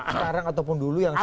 sekarang ataupun dulu yang